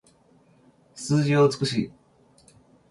数字は美しい